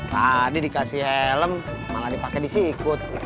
tadi dikasih helm malah dipake di sikut